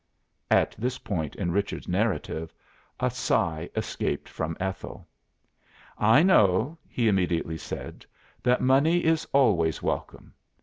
At this point in Richard's narrative, a sigh escaped from Ethel. "I know," he immediately said, "that money is always welcome.